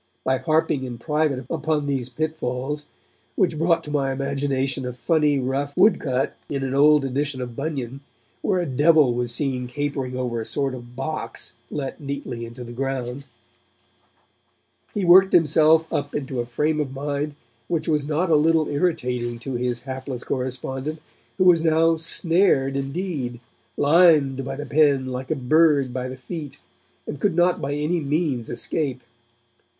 By harping in private upon these 'pitfalls' which brought to my imagination a funny rough woodcut in an old edition of Bunyan, where a devil was seen capering over a sort of box let neatly into the ground he worked himself up into a frame of mind which was not a little irritating to his hapless correspondent, who was now 'snared' indeed, limed by the pen like a bird by the feet, and could not by any means escape.